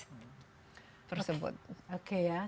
tersebut oke ya